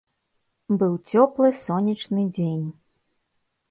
Быў цёплы сонечны дзень.